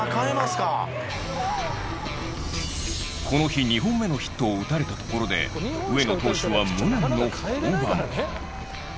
この日２本目のヒットを打たれたところで上野投手は無念の降板。